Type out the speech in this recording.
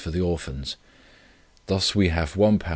for the Orphans. Thus we have £1 14s.